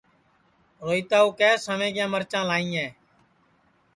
روہیتا کُُو کیہ سویں کِیا مرچاں لائیں